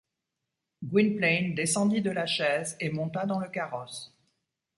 Gwynplaine descendit de la chaise et monta dans le carrosse.